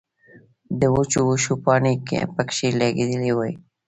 د وچو وښو پانې پکښې لګېدلې وې